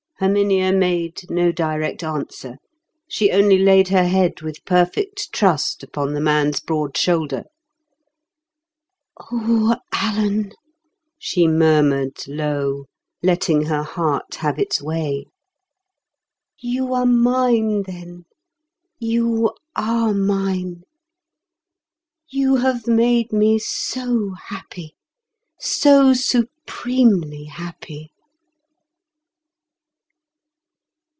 Herminia made no direct answer; she only laid her head with perfect trust upon the man's broad shoulder. "O Alan," she murmured low, letting her heart have its way, "you are mine, then; you are mine. You have made me so happy, so supremely happy."